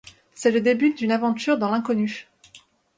C'est le début d'une aventure dans l'inconnue.